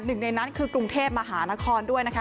หนึ่งในนั้นคือกรุงเทพมหานครด้วยนะคะ